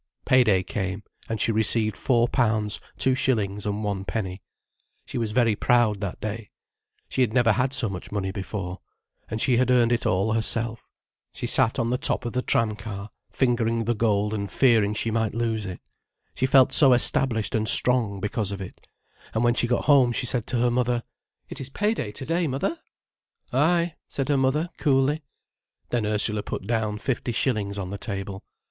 Pay day came, and she received four pounds two shillings and one penny. She was very proud that day. She had never had so much money before. And she had earned it all herself. She sat on the top of the tram car fingering the gold and fearing she might lose it. She felt so established and strong, because of it. And when she got home she said to her mother: "It is pay day to day, mother." "Ay," said her mother, coolly. Then Ursula put down fifty shillings on the table.